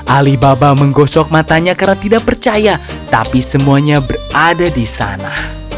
alibaba menggosok matanya karena tidak percaya tapi semuanya berada di sana